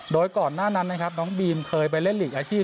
โดยก่อนหน้านั้นนะครับน้องบีมเคยไปเล่นหลีกอาชีพ